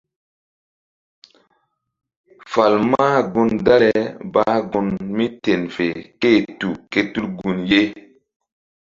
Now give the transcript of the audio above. Fal mah gun dale bah gun míten fe ké-e tu ké tul gun ye.